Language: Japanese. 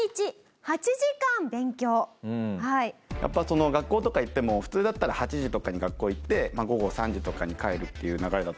やっぱその学校とか行っても普通だったら８時とかに学校行って午後３時とかに帰るっていう流れだと思うんですけど